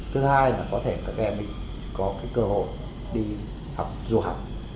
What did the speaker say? thứ hai là có thể các em có cơ hội đi học du học